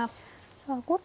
さあ後手